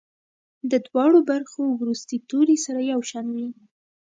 د دواړو برخو وروستي توري سره یو شان وي.